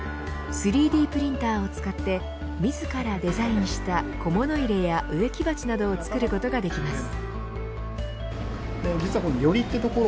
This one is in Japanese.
３Ｄプリンターを使って自らデザインした小物入れや植木鉢などを作ることができます。